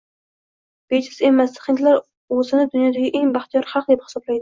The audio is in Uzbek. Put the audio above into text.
Bejiz emaski, hindlar o`zini dunyodagi eng baxtiyor xalq, deb hisoblaydi